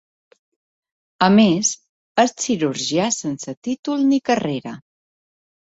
A més, és cirurgià sense títol ni carrera.